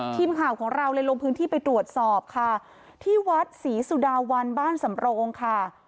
ทีมข่าวของเราเลยลงพื้นที่ไปตรวจสอบค่ะที่วัดศรีสุดาวันบ้านสำโรงค่ะ